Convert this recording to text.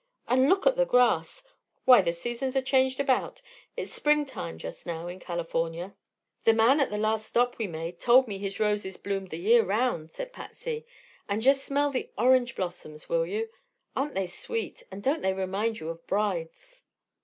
And look at the grass! Why, the seasons are changed about. It's Springtime just now in California." "The man at the last stop we made told me his roses bloomed the year round," said Patsy, "And just smell the orange blossoms, will you! Aren't they sweet, and don't they remind you of brides?"